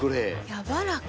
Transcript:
やわらか。